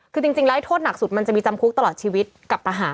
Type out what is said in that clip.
คือจริงแล้วโทษหนักสุดมันจะมีจำคุกตลอดชีวิตกับทหาร